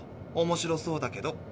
おもしろそうだけど。